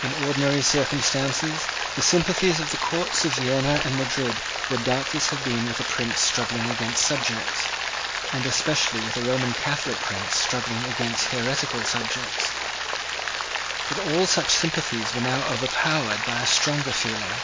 In ordinary circumstances, the sympathies of the courts of Vienna and Madrid would doubtless have been with a prince struggling against subjects, and especially with a Roman Catholic prince struggling against heretical subjects: but all such sympathies were now overpowered by a stronger feeling.